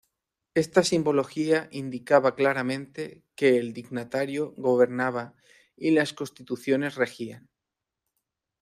Esta simbología indicaba claramente que el dignatario gobernaba y las constituciones regían.